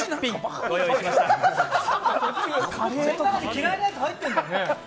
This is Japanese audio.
嫌いなやつ入ってるんだよね。